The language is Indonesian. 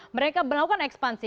mereka melakukan ekspansi